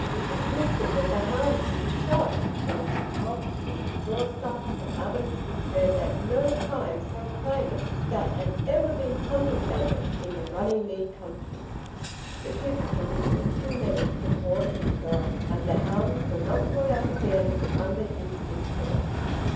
It was whispered that the hounds would be shot, though Mr. Topps, Mr. Jawstock, and others declared that no crime so heinous as that had ever been contemplated in the Runnymede country. The difficulties were too many for poor Tifto, and the hounds were not brought out again under his influence.